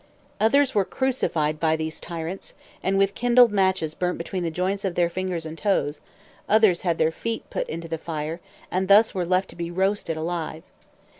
Others were crucified by these tyrants, and with kindled matches burnt between the joints of their fingers and toes: others had their feet put into the fire, and thus were left to be roasted alive.